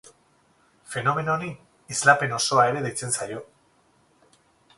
Fenomeno honi islapen osoa ere deitzen zaio.